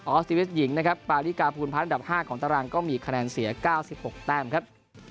ออสติวิสหญิงปาริกาภูมิภาคลักษณ์๕ของตารางก็มีคะแนนเสีย๙๖แต้มครับ